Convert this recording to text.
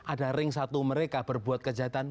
ada ring satu mereka berbuat kejahatan